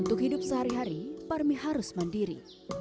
untuk hidup sehari hari parmi harus mandiri